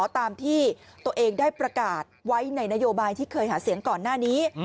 ตามที่ตัวเองได้ประกาศไว้ในนโยบายที่เคยหาเสียงก่อนหน้านี้